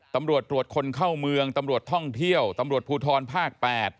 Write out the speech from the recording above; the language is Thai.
ตำรวจตรวจคนเข้าเมืองตำรวจท่องเที่ยวตำรวจภูทรภาค๘